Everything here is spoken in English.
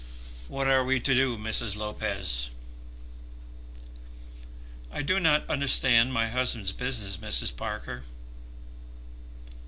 What are we to do, Mrs. Lopez?" "I do not understand my husband's business, Mrs. Parker."